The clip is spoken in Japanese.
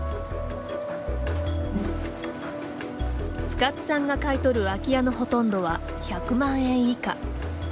深津さんが買い取る空き家のほとんどは１００万円以下。